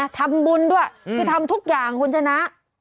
ทำบุญด้วยคือทำทุกอย่างคุณชนะ